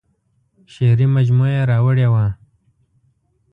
شعري مجموعه یې راوړې وه.